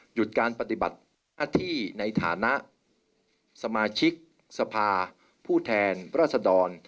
หยุดการปฏิบัติหน้าที่ในฐานะสมาชิกสภาผู้แทนรัศดร